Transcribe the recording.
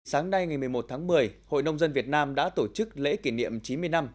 sáng nay ngày một mươi một tháng một mươi hội nông dân việt nam đã tổ chức lễ kỷ niệm chín mươi năm